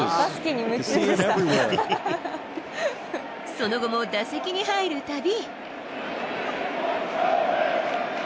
その後も打席に入るたび。